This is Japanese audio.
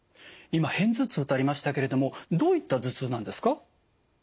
今片頭痛とありましたけれどもどういった頭痛なんですか？